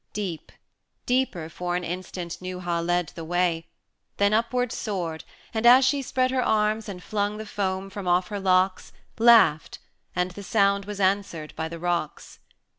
Deep deeper for an instant Neuha led The way then upward soared and as she spread Her arms, and flung the foam from off her locks, Laughed, and the sound was answered by the rocks.